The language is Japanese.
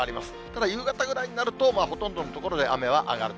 ただ、夕方ぐらいになると、ほとんどの所で雨は上がる。